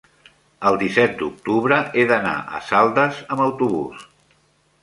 el disset d'octubre he d'anar a Saldes amb autobús.